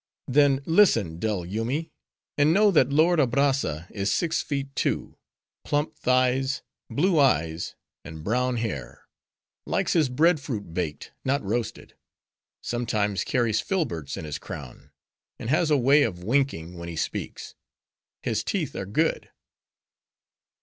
Then, listen, dull Yoomy! and know that lord Abrazza is six feet two: plump thighs; blue eyes; and brown hair; likes his bread fruit baked, not roasted; sometimes carries filberts in his crown: and has a way of winking when he speaks. His teeth are good."